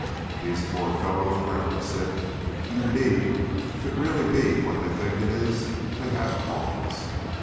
These poor fellows reverence it, and indeed if it really be what they think it is they have cause.